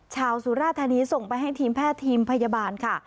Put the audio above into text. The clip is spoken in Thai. สุราธานีส่งไปให้ทีมแพทย์ทีมพยาบาลค่ะ